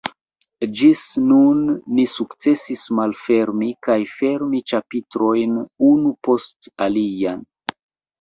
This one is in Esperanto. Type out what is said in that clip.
Ĝis nun ni sukcesis malfermi kaj fermi ĉapitrojn unu post alian.